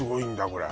これ